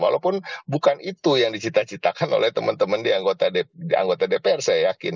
walaupun bukan itu yang dicita citakan oleh teman teman di anggota dpr saya yakin